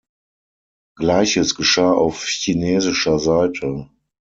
Gleiches geschah auf chinesischer Seite.